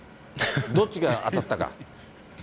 どっちが当たったか。